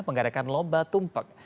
mengadakan lomba tumpeng